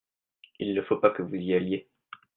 Il ne faut pas que vous y alliez.